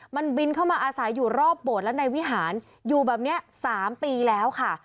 มันบินเข้ามาอาศัยอยู่รอบโบสถ์และในวิหารอยู่แบบนี้๓ปีแล้วค่ะ